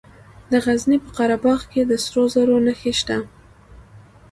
د غزني په قره باغ کې د سرو زرو نښې شته.